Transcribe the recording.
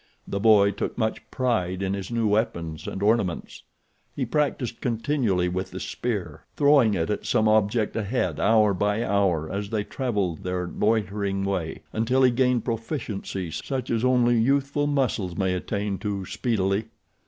The boy took much pride in his new weapons and ornaments. He practiced continually with the spear, throwing it at some object ahead hour by hour as they traveled their loitering way, until he gained a proficiency such as only youthful muscles may attain to speedily.